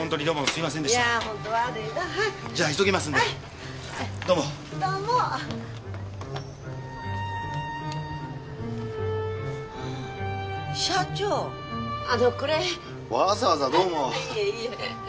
いえいえ。